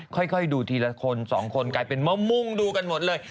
ค่อยดูทีละคนสองคนกลายเป็นมะมุ่งดูกันหมดเลย